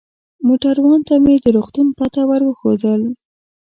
موټروان ته مې د روغتون پته ور وښودل.